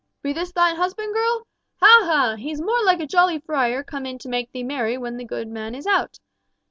"Be this thine husband, girl? Ha! ha! He's more like a jolly friar come in to make thee merry when the good man is out!"